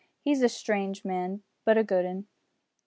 He's a strange man, but a good 'un!"